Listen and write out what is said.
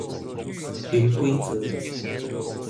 零規則